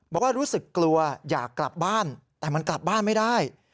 บอกว่ารู้สึกกลัวอยากกลับบ้านแต่มันกลับบ้านไม่ได้